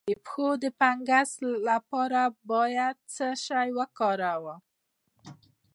د پښو د فنګس لپاره باید څه شی وکاروم؟